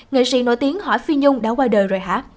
người sĩ nổi tiếng hỏi phi nhung đã qua đời rồi hả